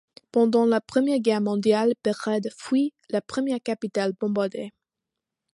Pendant la Première Guerre mondiale Belgrade fut la première capitale bombardée.